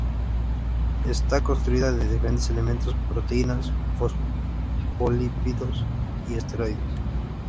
Está construida de diferentes elementos, proteínas, fosfolípidos y esteroides.